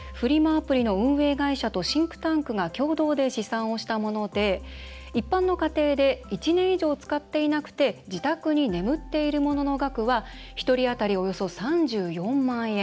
アプリの運営会社とシンクタンクが共同で試算をしたもので一般の家庭で１年以上使っていなくて自宅に眠っているものの額は一人あたり、およそ３４万円。